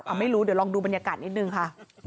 ไม่รู้เดี๋ยวลองดูบรรยากาศนิดนึงค่ะ